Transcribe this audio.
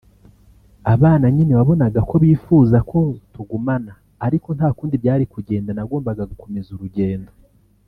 abana nyine wabonaga ko bifuzaga ko tugumana ariko nta kundi byari kugenda nagombaga gukomeza urugendo